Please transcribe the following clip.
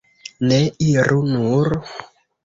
Ne, iru nur!